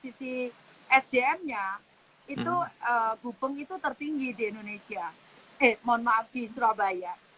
sehingga sebetulnya kalau dari sisi sdm nya gupeng itu tertinggi di surabaya